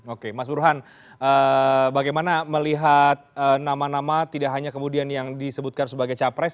oke mas burhan bagaimana melihat nama nama tidak hanya kemudian yang disebutkan sebagai capres